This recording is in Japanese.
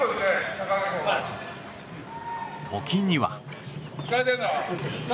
時には。